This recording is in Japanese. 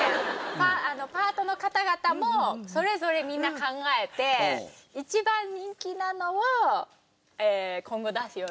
パートの方々もそれぞれみんな考えて一番人気なのを今後出すようにする。